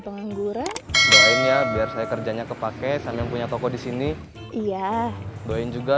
pengangguran doain ya biar saya kerjanya kepake sambil punya toko di sini iya doain juga